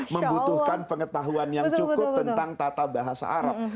membutuhkan pengetahuan yang cukup tentang tata bahasa arab